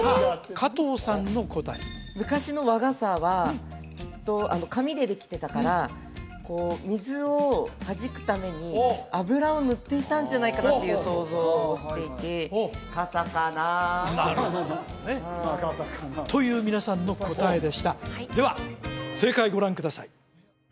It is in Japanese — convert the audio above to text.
加藤さんの答え昔の和傘はきっと紙でできてたからこう水をはじくために油を塗っていたんじゃないかなっていう想像をしていて傘かななるほどねという皆さんの答えでしたでは正解ご覧ください